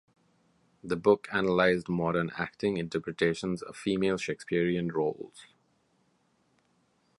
The book analysed modern acting interpretations of female Shakespearean roles.